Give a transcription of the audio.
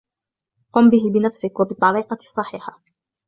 قم به بنفسك وبالطريقة الصحيحة.